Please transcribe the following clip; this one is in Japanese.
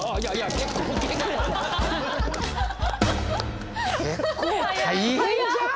結構大変じゃん！